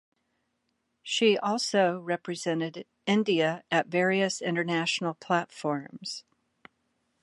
She also represented India at various International platforms.